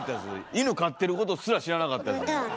イヌ飼ってることすら知らなかったですもん。